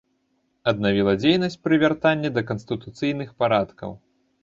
Аднавіла дзейнасць пры вяртанні да канстытуцыйных парадкаў.